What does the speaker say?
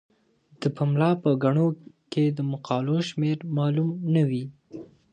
د پملا په ګڼو کې د مقالو شمیر معلوم نه وي.